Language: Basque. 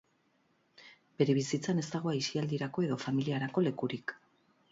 Bere bizitzan ez dago aisialdirako edo familiarako lekurik.